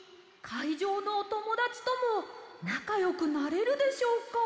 いじょうのおともだちともなかよくなれるでしょうか？